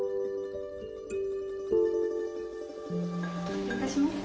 失礼いたします。